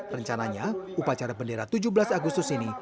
rencananya upacara bendera tujuh belas agustus ini